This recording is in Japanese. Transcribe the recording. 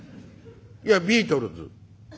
「いやビートルズ」。